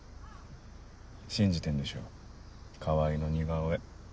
信じてんでしょ川合の似顔絵。